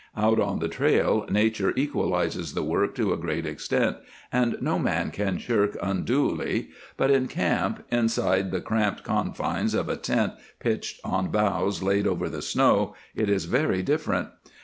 Out on the trail, nature equalizes the work to a great extent, and no man can shirk unduly, but in camp, inside the cramped confines of a tent pitched on boughs laid over the snow, it is very different.